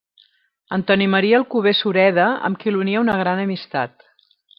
Antoni Maria Alcover Sureda, amb qui l'unia una gran amistat.